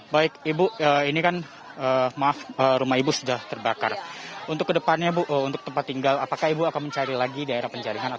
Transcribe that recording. baik rumah ibu sudah terbakar untuk ke depannya apakah ibu akan mencari lagi daerah penjaringan